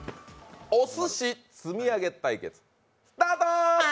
お寿司積み上げ対決スタート！